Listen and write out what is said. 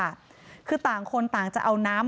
นายพิรายุนั่งอยู่ติดกันแบบนี้นะคะ